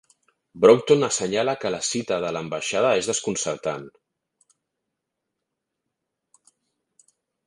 Broughton assenyala que la cita de l'ambaixada és desconcertant.